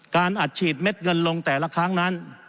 การอัดฉีดเม็ดเงินลงแต่ละครั้งนั้น